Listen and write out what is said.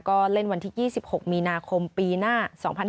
ก็เล่นวันที่๒๖มีนาคมปีหน้า๒๕๕๙